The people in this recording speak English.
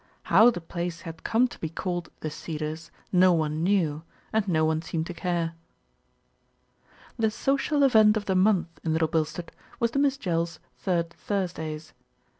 How the place had come to be called "The Cedars," no one knew, and no one seemed to care. The social event of the month in Little Bilstead was the Miss Jells' Third Thursdays.